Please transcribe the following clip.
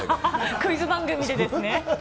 クイズ番組でですね。